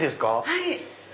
はい。